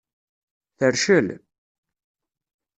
Tercel?